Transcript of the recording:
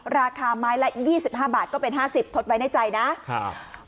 ราคาไม้ละยี่สิบห้าบาทก็เป็นห้าสิบทดไว้ในใจนะครับ